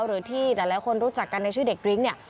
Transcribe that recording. หรือที่หลายคนรู้จักกันในชื่อเด็กกริ้งเนี่ย